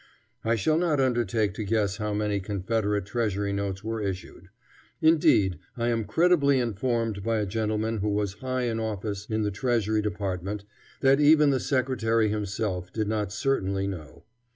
I shall not undertake to guess how many Confederate treasury notes were issued. Indeed, I am credibly informed by a gentleman who was high in office in the Treasury Department, that even the secretary himself did not certainly know.